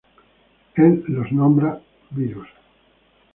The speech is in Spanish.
Él los nombra virus.